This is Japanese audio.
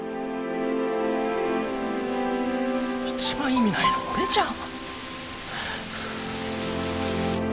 一番意味ないの俺じゃん。